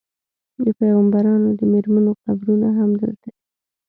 د پیغمبرانو د میرمنو قبرونه هم دلته دي.